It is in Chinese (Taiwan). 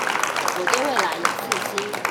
我對未來有信心